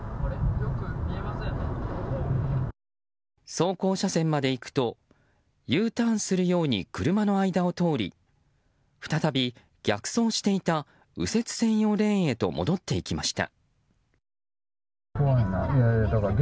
走行車線まで行くとＵターンするように車の間を通り再び逆走していた右折専用レーンへと戻っていきました。